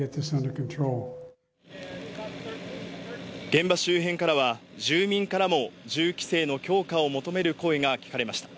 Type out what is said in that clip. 現場周辺からは住民からも銃規制の強化を求める声が聞かれました。